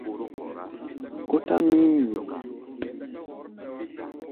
Gótʼám nyím nyǐm.